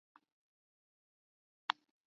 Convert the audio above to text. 时为十月癸酉朔十八日庚寅。